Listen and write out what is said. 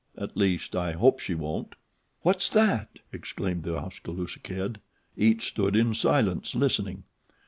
At least I hope she won't." "What's that?" exclaimed The Oskaloosa Kid. Each stood in silence, listening.